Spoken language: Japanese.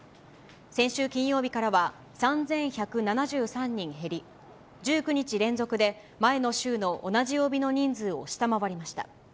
先週金曜日からは３１７３人減り、１９日連続で前の週の同じ曜日の人数を下回りました。